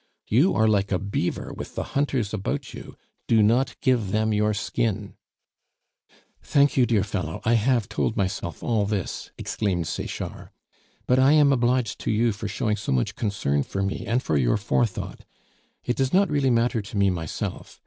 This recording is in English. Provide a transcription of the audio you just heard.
You are like a beaver with the hunters about you; do not give them your skin " "Thank you, dear fellow, I have told myself all this," exclaimed Sechard, "but I am obliged to you for showing so much concern for me and for your forethought. It does not really matter to me myself.